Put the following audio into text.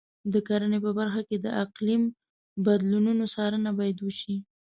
د کرنې په برخه کې د اقلیم بدلونونو څارنه باید وشي.